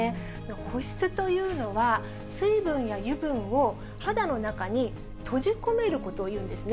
保湿というのは、水分や油分を肌の中に閉じ込めることをいうんですね。